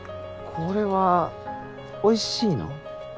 これはおいしいの？